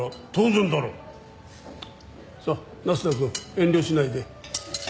さあ那須田くん遠慮しないで。